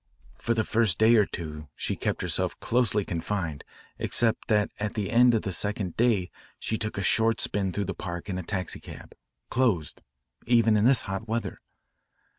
For the first day or two she kept herself closely confined, except that at the end of the second day she took a short spin through the park in a taxicab closed, even in this hot weather.